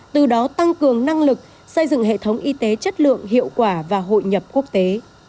từ đó tăng cường năng lực xây dựng hệ thống y tế chất lượng hiệu quả và hội nhập quốc tế